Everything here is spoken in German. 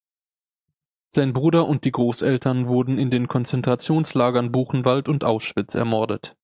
Sein Bruder und die Großeltern wurden in den Konzentrationslagern Buchenwald und Auschwitz ermordet.